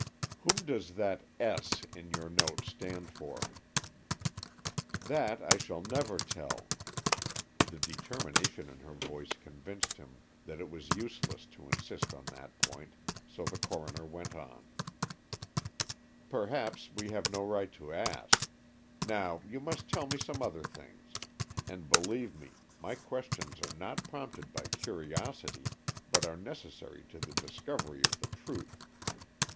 "Whom does that S. in your note stand for." "That I shall never tell." The determination in her voice convinced him that it was useless to insist on that point, so the coroner went on. "Perhaps we have no right to ask. Now you must tell me some other things, and, believe me, my questions are not prompted by curiosity, but are necessary to the discovery of the truth.